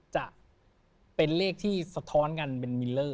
จะเป็นเลขที่สะท้อนกันเป็นมิลเลอร์